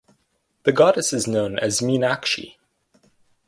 The Goddess is known as Meenakshi.